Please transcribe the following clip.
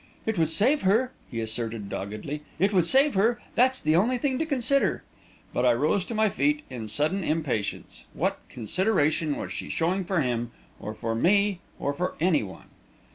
"It would save her," he asserted, doggedly. "It would save her. That's the only thing to consider." But I rose to my feet in sudden impatience; what consideration was she showing for him or for me or for anyone?